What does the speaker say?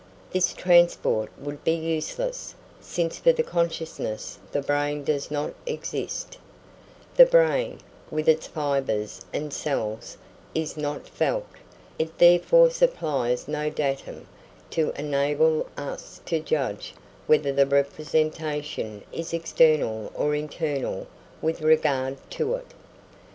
This transport would be useless, since for the consciousness the brain does not exist: the brain, with its fibres and cells, is not felt; it therefore supplies no datum to enable us to judge whether the representation is external or internal with regard to it.